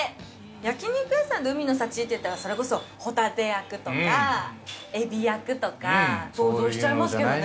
焼き肉屋さんで海の幸といったらそれこそホタテ焼くとかエビ焼くとか想像しちゃいますけどね。